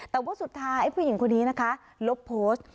แต่ว่าสุดท้ายผู้หญิงคนนี้นะคะลบโพสต์